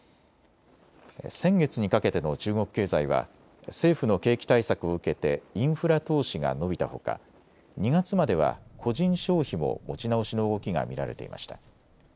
先月にかけての中国経済は政府の景気対策を受けてインフラ投資が伸びたほか２月までは個人消費も持ち直しの動きが見られていました。